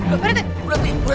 bu ranti bu ranti